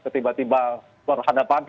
tiba tiba suara hadapan